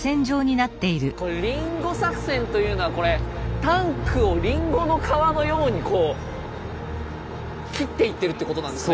これリンゴ作戦というのはこれタンクをリンゴの皮のようにこう切っていってるってことなんですね。